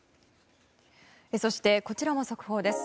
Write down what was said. そしてこちらも速報です。